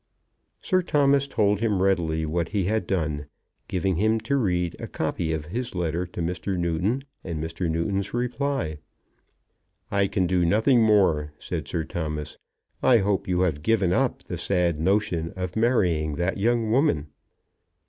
Sir Thomas told him readily what he had done, giving him to read a copy of his letter to Mr. Newton and Mr. Newton's reply. "I can do nothing more," said Sir Thomas. "I hope you have given up the sad notion of marrying that young woman."